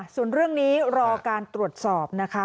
ส่วนเรื่องนี้รอการตรวจสอบนะคะ